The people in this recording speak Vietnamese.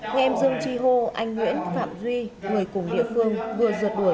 nghe em dương chi hô anh nguyễn phạm duy người cùng địa phương vừa rượt đuổi